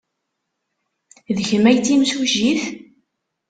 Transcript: D kemm ay d timsujjit?